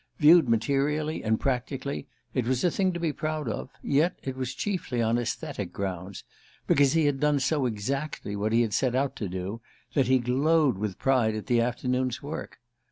Viewed materially and practically, it was a thing to be proud of; yet it was chiefly on aesthetic grounds because he had done so exactly what he had set out to do that he glowed with pride at the afternoon's work.